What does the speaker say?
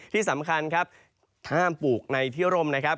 ที่สำคัญครับห้ามปลูกในที่ร่มนะครับ